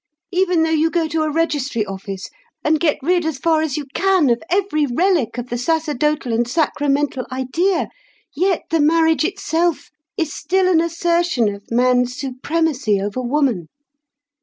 Even though you go to a registry office and get rid as far as you can of every relic of the sacerdotal and sacramental idea, yet the marriage itself is still an assertion of man's supremacy over woman.